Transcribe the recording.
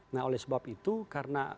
nah oleh sebab itu karena